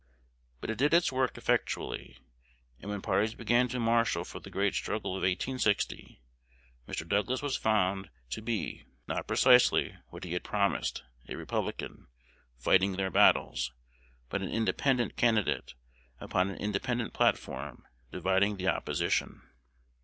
But it did its work effectually; and, when parties began to marshal for the great struggle of 1860, Mr. Douglas was found to be, not precisely what he had promised, a Republican, "fighting their battles," but an independent candidate, upon an independent platform, dividing the opposition.